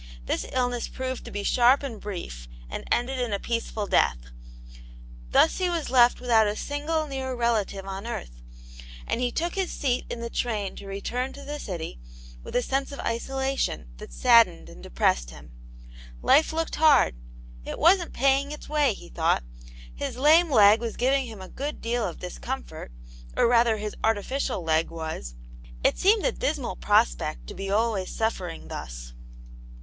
This illness proved to be sharp and brief, and ended in a peaceful death. Thus he was left without a single near relative on earth, and he took his seat in the train to return to the city, with a sense of isolation that saddened and depressed him. Life looked hard ; it wasn't paying its way, he thought ; his lame leg was giving him a good deal of discomfort, or rather his artificial leg was. It seemed a dismal prospect to be always suffering thus.